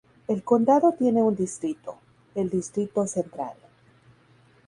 El condado tiene un distrito: el distrito central.